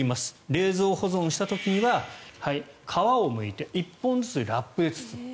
冷蔵保存した時には皮をむいて１本ずつラップで包む。